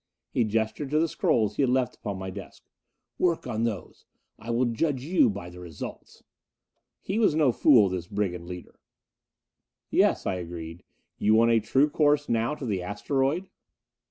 He gestured to the scrolls he had left upon my desk. "Work on those. I will judge you by the results." He was no fool, this brigand leader. "Yes," I agreed. "You want a true course now to the asteroid?"